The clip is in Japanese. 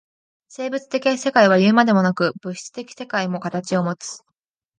生物的世界はいうまでもなく、物質的世界も形をもつ。